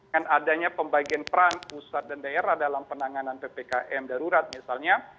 dan adanya pembagian peran pusat dan daerah dalam penanganan ppkm darurat misalnya